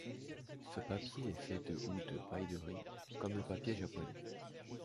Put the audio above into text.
Ce papier est fait de ou de paille de riz, comme le papier japonais.